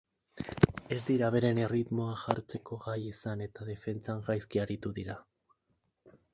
Ez dira beren erritmoa jartzeko gai izan eta defentsan gaizki aritu dira.